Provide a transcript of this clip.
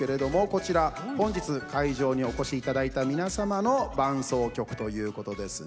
こちら本日会場にお越しいただいた皆様の伴走曲ということですね。